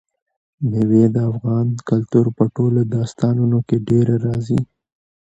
مېوې د افغان کلتور په ټولو داستانونو کې ډېره راځي.